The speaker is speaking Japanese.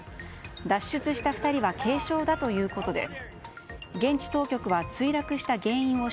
脱出した２人は軽傷だということです。